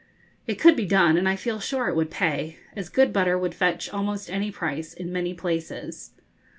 It could be done, and I feel sure it would pay, as good butter would fetch almost any price in many places.